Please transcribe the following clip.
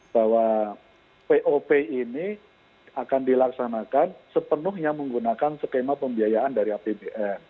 bahwa pop ini akan dilaksanakan sepenuhnya menggunakan skema pembiayaan dari apbn